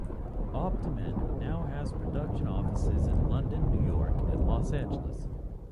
Optomen now has production offices in London, New York and Los Angeles.